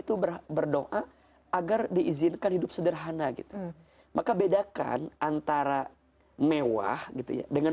itu berdoa agar diizinkan hidup sederhana gitu maka bedakan antara mewah gitu ya dengan